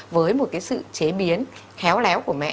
với một cái sự chế biến khéo léo của mẹ